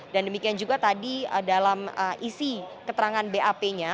dan demikian juga tadi dalam isi keterangan bap nya